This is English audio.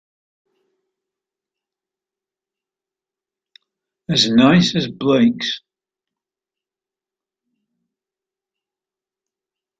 As nice as Blake's?